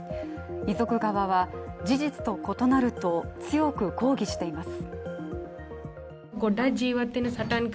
遺族側は、事実と異なると強く抗議しています。